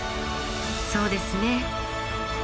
そうですね。